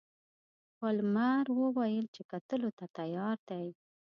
پالمر وویل چې کتلو ته تیار دی.